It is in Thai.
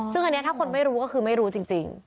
ซึ่งอันนี้ถ้าคนไม่รู้ก็คือไม่รู้จริง